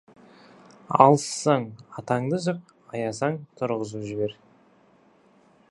Алыссаң, атанды жық, аясаң, тұрғызып жібер.